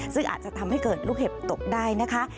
ซึ่งอาจจะทำให้เกิดลูกเห็บตกได้นะคะ